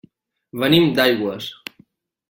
Venim d'Aigües.